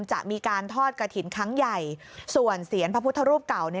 จะมีการทอดกระถิ่นครั้งใหญ่ส่วนเสียนพระพุทธรูปเก่า